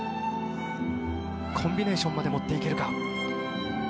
コンビネーションまで持っていけるか？